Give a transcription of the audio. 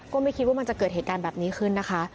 ก็ไม่คิดว่ามันจะเกิดเหตุการณ์แบบนี้ขึ้นนะคะ